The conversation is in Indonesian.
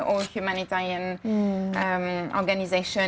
all humanitarian organisations